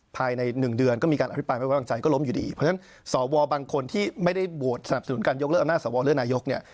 ภายใน๑เดือนก็มีการอภิปรายไม่ไว้วางใจก็ล้มอยู่ดีเพราะฉะนั้นสวบางคนที่ไม่ได้โหวตสนับสนุนการยกเลิกอำนาจสวเลือกนายกเนี่ย